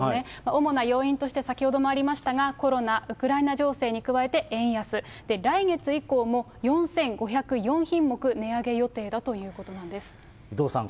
主な要因として、先ほどもありましたが、コロナ、ウクライナ情勢に加えて円安、来月以降も４５０４品目値上げ予定だということな伊藤さん